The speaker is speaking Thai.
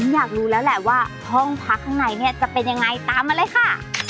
อยากรู้แล้วแหละว่าห้องพักข้างในเนี่ยจะเป็นยังไงตามมาเลยค่ะ